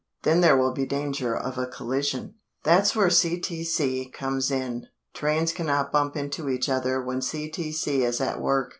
Then there will be danger of a collision. That's where CTC comes in. Trains cannot bump into each other when CTC is at work.